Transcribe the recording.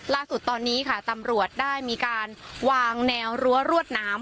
ล่าสุดตอนนี้ค่ะตำรวจได้มีการวางแนวรั้วรวดน้ำ